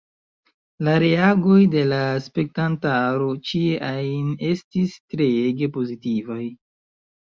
La reagoj de la spektantaro ĉie ajn estis treege pozitivaj.